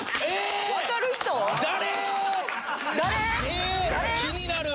えっ気になる！